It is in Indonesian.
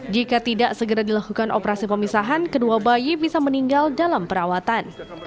jika tidak segera dilakukan operasi pemisahan kedua bayi bisa meninggal dalam perawatan